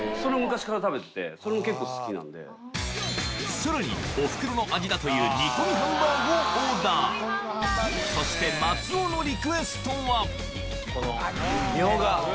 さらにおふくろの味だという煮込みハンバーグをオーダーそしてこの。